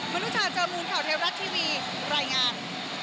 มันรู้ชาญเจอมูลข่าวเทราะทีวีรายงาน